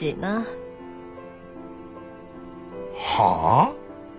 はあ？